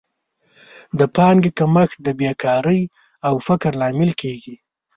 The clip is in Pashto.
د پانګې کمښت د بېکارۍ او فقر لامل کیږي.